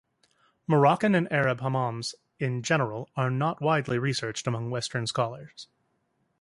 Moroccan and Arab hammams in general are not widely researched among Western scholars.